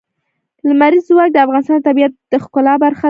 لمریز ځواک د افغانستان د طبیعت د ښکلا برخه ده.